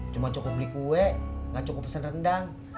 cuma cukup beli kue gak cukup pesan rendang